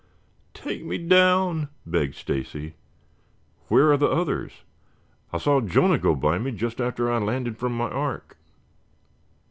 "Take me down," begged Stacy. "Where are the others?" "I saw Jonah go by me just after I landed from my ark."